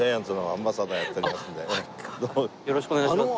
よろしくお願いします。